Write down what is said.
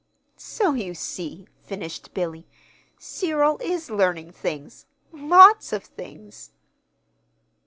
"So you see," finished Billy, "Cyril is learning things lots of things."